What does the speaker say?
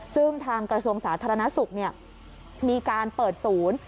ซึ่งทางกระทรวงสาธารณสุขมีการเปิดศูนย์